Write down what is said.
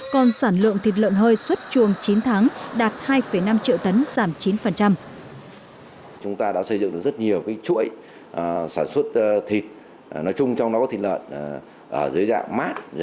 còn sản lượng thịt lợn hơi suốt chuồng chín tháng đạt hai năm triệu tấn giảm chín